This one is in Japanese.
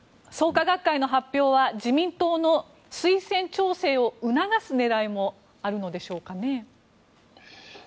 創価学会の発表は自民党の推薦調整を促す狙いもあるのでしょうかね。